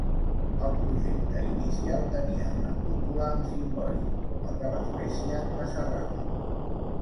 El projecte inicial tenia una cúpula amb cimbori com el de l'església de Sarral.